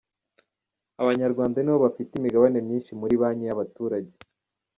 Abanyarwanda ni bo bafite imigabane myinshi muri Banki y’abaturage